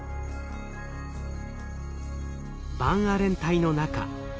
バンアレン帯の中。